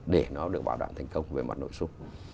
để nó được bảo đảm thành công về mặt nội dung